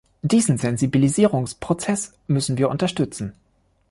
Diesen Sensibilisierungsprozess müssen wir unterstützen.